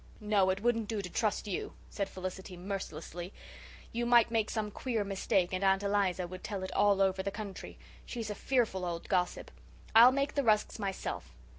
"No, it wouldn't do to trust you," said Felicity mercilessly. "You might make some queer mistake and Aunt Eliza would tell it all over the country. She's a fearful old gossip. I'll make the rusks myself.